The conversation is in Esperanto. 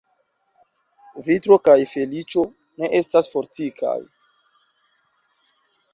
Vitro kaj feliĉo ne estas fortikaj.